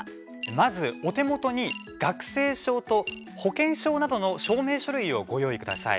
まず、お手元に学生証と保険証などの証明書類をご用意ください。